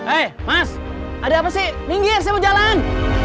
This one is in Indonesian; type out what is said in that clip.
eh mas ada apa sih minggir sejalan